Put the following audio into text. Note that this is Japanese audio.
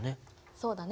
そうだね。